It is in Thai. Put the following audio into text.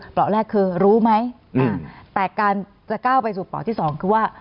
เปราะแรกคือรู้ไหมแต่การจะก้าวไปสู่ปลอกที่สองคือว่า